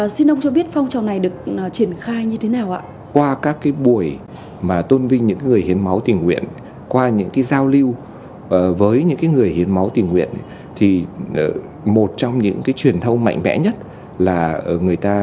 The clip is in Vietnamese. xin ông cho biết phong trọng này được triển khai như thế nào ạ